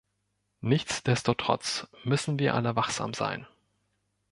Nichtsdestotrotz müssen wir alle wachsam sein.